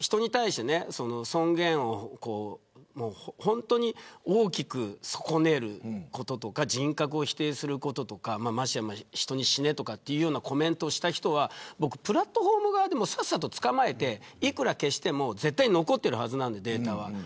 人に対して尊厳を大きく損ねることとか人格を否定することとかましてや人に死ねというコメントをした人はプラットホーム側でもさっさと捕まえていくら消しても絶対に残っているはずなんでデータは。